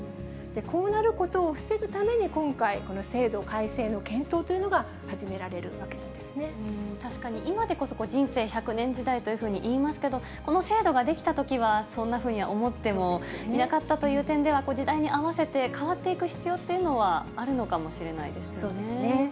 こうなることを防ぐために、今回、この制度改正の検討という確かに今でこそ、人生１００年時代というふうに言いますけど、この制度が出来たときは、そんなふうには思ってもいなかったという点では、時代に合わせて変わっていく必要というのはあるのかもしれないでそうですね。